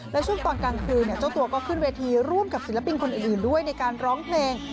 และช่วงตอนกลางคืนเจ้าตัวก็ขึ้นเวทีร่วมกับศิลปินคนอื่นด้วยในการร้องเพลง